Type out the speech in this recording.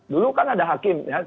dulu kan ada hakim